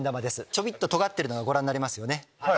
ちょっととがってるのがご覧になれますよね。